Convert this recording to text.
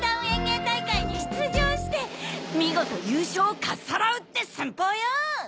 演芸大会に出場して見事優勝をかっさらうって寸法よ！